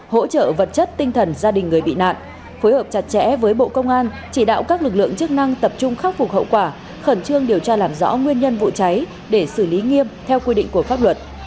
hỗ trợ vật chất tinh thần gia đình người bị nạn phối hợp chặt chẽ với bộ công an chỉ đạo các lực lượng chức năng tập trung khắc phục hậu quả khẩn trương điều tra làm rõ nguyên nhân vụ cháy để xử lý nghiêm theo quy định của pháp luật